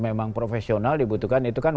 memang profesional dibutuhkan itu kan